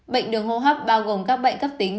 bệnh đường hô hấp bao gồm các bệnh cấp tính